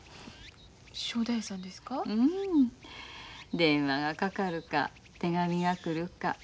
電話がかかるか手紙が来るか。